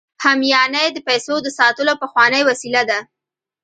همیانۍ د پیسو د ساتلو پخوانۍ وسیله ده